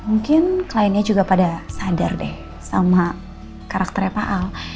mungkin kliennya juga pada sadar deh sama karakternya pak al